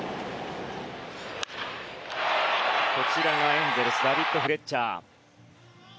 エンゼルスダビッド・フレッチャー。